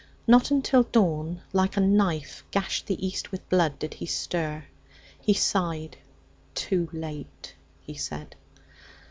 Not until dawn, like a knife, gashed the east with blood did he stir. He sighed. 'Too late!' he said.